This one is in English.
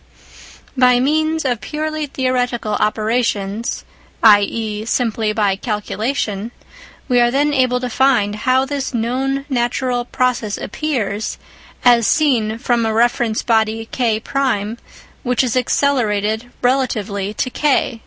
By means of purely theoretical operations (i.e. simply by calculation) we are then able to find how this known natural process appears, as seen from a reference body K1 which is accelerated relatively to K.